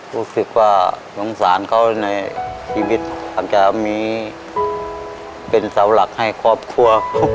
รู้สึกว่าสงสารเขาในชีวิตอาจจะมีเป็นเสาหลักให้ครอบครัว